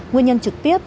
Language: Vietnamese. nguyên nhân trực tiếp